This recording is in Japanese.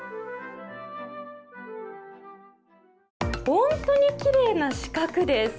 本当にきれいな四角です。